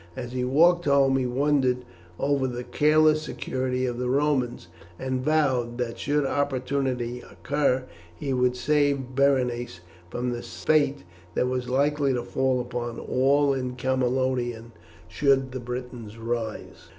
As he walked home he wondered over the careless security of the Romans, and vowed that should opportunity occur he would save Berenice from the fate that was likely to fall upon all in Camalodunum should the Britons rise.